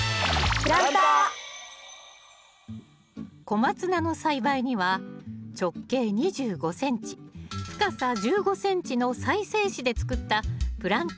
コマツナの栽培には直径２５ｃｍ深さ１５ｃｍの再生紙で作ったプランターを使います。